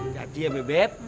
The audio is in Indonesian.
gati ya bebep